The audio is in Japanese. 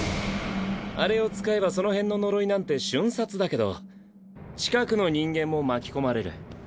あれを使えばその辺の呪いなんて瞬殺だけど近くの人間も巻き込まれる。